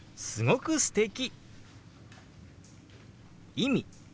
「意味」。